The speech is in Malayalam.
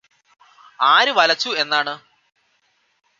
ആര് വലച്ചു എന്നാണ്